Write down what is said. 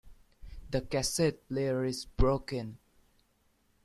The cassette player is broken.